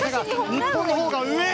日本のほうが上！